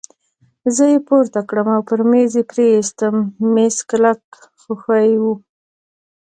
زه يې پورته کړم او پر مېز پرې ایستم، مېز کلک خو ښوی وو.